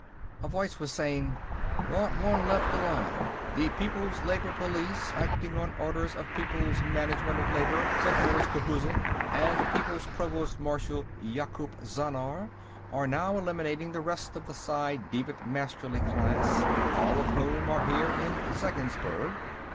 A voice was saying: "... not one left alive. The People's Labor Police, acting on orders of People's Manager of Labor Zhorzh Khouzhik and People's Provost Marshal Yakoop Zhannar, are now eliminating the rest of the ci devant Masterly class, all of whom are here in Zeggensburg.